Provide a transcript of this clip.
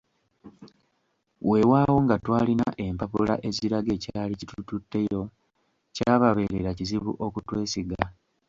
"Weewaawo nga twalina empapula eziraga ekyali kitututteyo, kyababeerera kizibu okutwesiga."